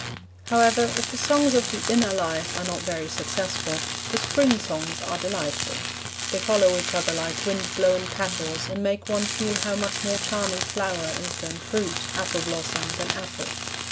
However, if the Songs of the Inner Life are not very successful, the Spring Songs are delightful. They follow each other like wind blown petals, and make one feel how much more charming flower is than fruit, apple blossom than apple.